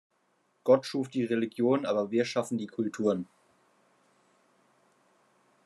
Gott schuf die Religion, aber wir schaffen die Kulturen.